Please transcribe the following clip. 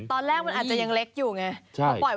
ตอนแรกมันอาจจะยังเล็กอยู่ไง